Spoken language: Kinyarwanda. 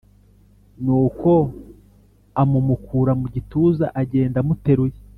Nuko amumukura mu gituza agenda amuteruye